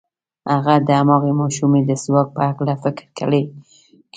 هغه د هماغې ماشومې د ځواک په هکله فکر کړی و.